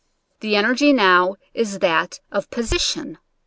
The energy now is that of position.